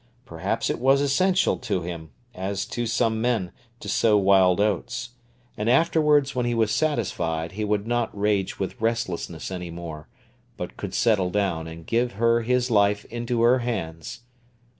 Perhaps it was essential to him, as to some men, to sow wild oats; and afterwards, when he was satisfied, he would not rage with restlessness any more, but could settle down and give her his life into her hands.